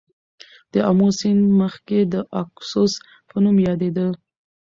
د آمو سیند مخکې د آکوسس په نوم یادیده.